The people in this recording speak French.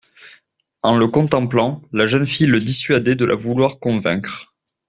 En le contemplant, la jeune fille le dissuadait de la vouloir convaincre.